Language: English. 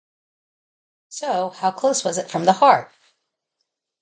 So, how close was it from the heart?